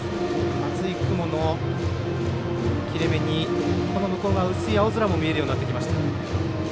厚い雲の切れ目に薄い青空も見えるようになってきました。